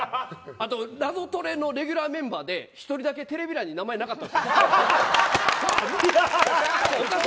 「ナゾトレ」のレギュラーメンバーで１人だけテレビ欄に名前がなかった。